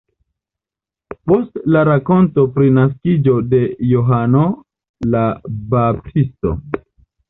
Post la rakonto pri la naskiĝo de Johano la Baptisto.